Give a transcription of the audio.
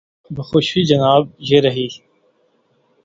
بخوشی جناب، یہ رہی۔